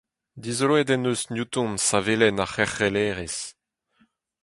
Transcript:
Dizoloet en deus Newton savelenn ar c'herc'hellerezh.